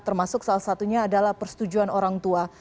termasuk salah satunya adalah persetujuan orang tua